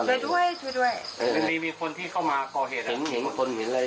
มันวิ่งเพราะมันตีเสร็จมันก็วิ่งไป